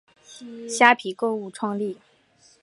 虾皮购物创立。